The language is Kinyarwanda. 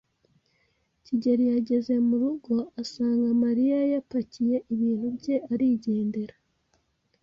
kigeli yageze murugo asanga Mariya yapakiye ibintu bye arigendera.